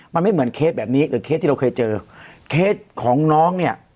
มันไม่เหมือนเคสแบบนี้หรือเคสที่เราเคยเจอเคสของน้องเนี่ย